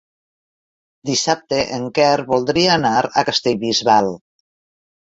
Dissabte en Quer voldria anar a Castellbisbal.